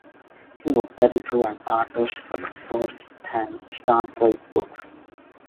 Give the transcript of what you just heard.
He was editor and artist for the first ten "Starblaze" books.